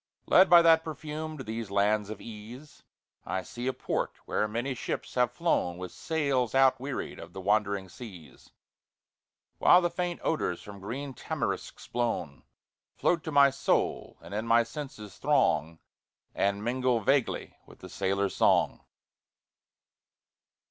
Led by that perfume to these lands of ease, I see a port where many ships have flown With sails outwearied of the wandering seas; While the faint odours from green tamarisks blown, Float to my soul and in my senses throng, And mingle vaguely with the sailor's song.